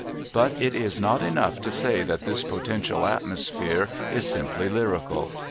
But it is not enough to say that this potential atmosphere is simply lyrical.